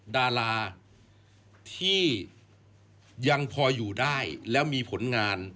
ดาราที่ยังพออยู่ได้แล้วมีผลงาน